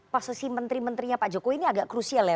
posisi menteri menterinya pak jokowi ini agak krusial ya